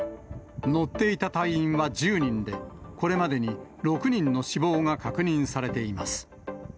乗っていた隊員は１０人で、これまでに６人の死亡が確認されています。